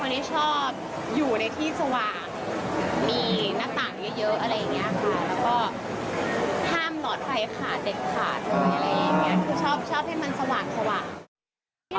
มีหน้าต่างเยอะ